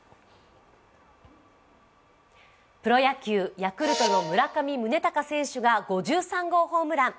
プロ野球、ヤクルトの村上宗隆選手が５３号ホームラン。